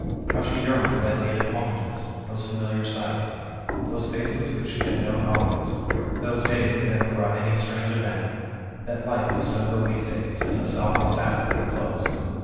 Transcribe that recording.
How she yearned for that native homeliness, those familiar sights, those faces which she had known always, those days that never brought any strange event; that life of sober week days, and a solemn sabbath at the close!